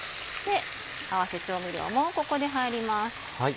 合わせ調味料もここで入ります。